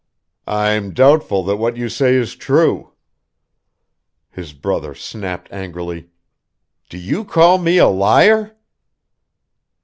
"I'm doubtful that what you say is true." His brother snapped angrily: "Do you call me liar?"